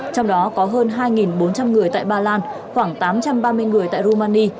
trong đó có hơn hai bốn trăm linh người tại ba lan khoảng tám trăm ba mươi người tại romani